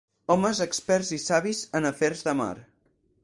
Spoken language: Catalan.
Homes experts i savis en afers de mar.